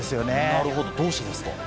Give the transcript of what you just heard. なるほど、どうしてですか。